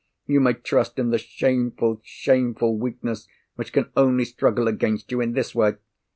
You may trust in the shameful, shameful weakness which can only struggle against you in this way!"